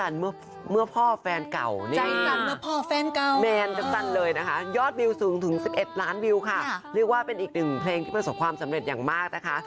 เรียกว่าเป็นอีกหนึ่งเพลงที่ประสบความสำเร็จอย่างมากนะคะ